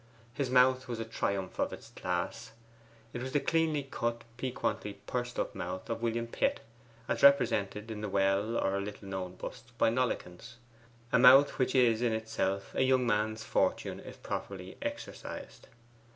His mouth was a triumph of its class. It was the cleanly cut, piquantly pursed up mouth of William Pitt, as represented in the well or little known bust by Nollekens a mouth which is in itself a young man's fortune, if properly exercised.